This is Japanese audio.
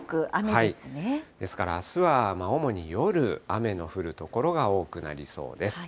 ですから、あすは主に夜、雨の降る所が多くなりそうです。